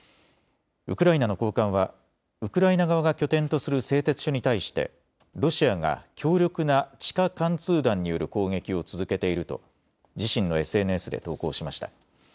ウクライナの高官はウクライナ側が拠点とする製鉄所に対してロシアが強力な地下貫通弾による攻撃を続けていると自身のＳＮＳで投稿しました。